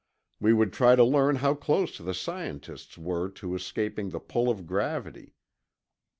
We would try to learn how close the scientists were to escaping the pull of gravity.